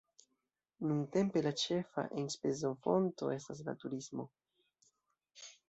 Nuntempe la ĉefa enspezofonto estas la turismo.